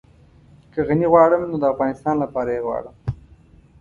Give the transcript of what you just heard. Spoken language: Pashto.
که غني غواړم نو د افغانستان لپاره يې غواړم.